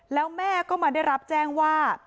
แล้วแม่ก็มาได้รับแจ้งว่า